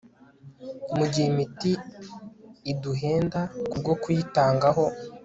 mu gihe imiti iduhenda kubwo kuyitangaho